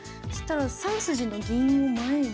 ３筋の銀を前に。